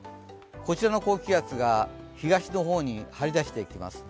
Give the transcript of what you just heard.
こちらの高気圧が東の方に張り出してきます。